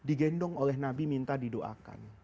digendong oleh nabi minta didoakan